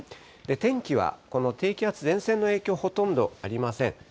天気はこの低気圧、前線の影響、ほとんどありません。